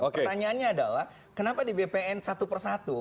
pertanyaannya adalah kenapa di bpn satu persatu